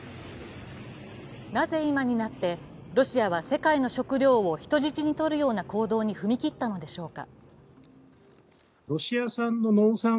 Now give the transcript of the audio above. なぜ今になってロシアは世界の食料を人質にとるような行動に踏み切ったのでしょうか。